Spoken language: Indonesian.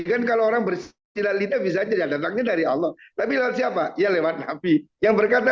kan kalau orang bersilalita bisa tidak datangnya dari allah tapi siapa ya lewat nabi yang berkata